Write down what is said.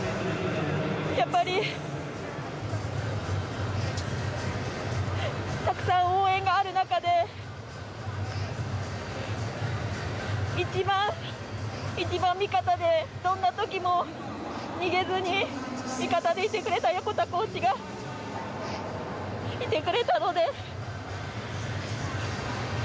やっぱりたくさん応援がある中で一番味方でどんな時も逃げずに味方でいてくれた横田コーチがいてくれたので。